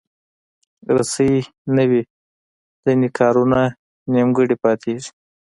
رسۍ نه وي، ځینې کارونه نیمګړي پاتېږي.